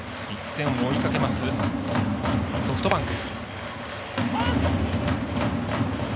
１点を追いかけますソフトバンク。